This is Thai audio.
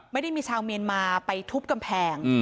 ไม่ได้มีชาวเมียนมาไปทุบกำแพง